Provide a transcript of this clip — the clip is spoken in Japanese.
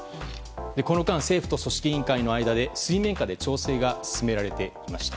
この間、政府と組織委員会の間で水面下で調整が進められてきました。